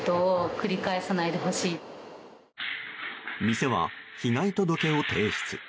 店は被害届を提出。